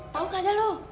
tau gak aja lo